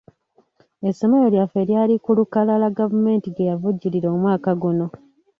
Essomero lyaffe lyali ku lukalala gavumenti ge yavujjirira omwaka guno.